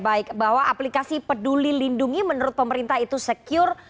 baik bahwa aplikasi peduli lindungi menurut pemerintah itu secure